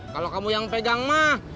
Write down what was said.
kalau kamu yang pegang mah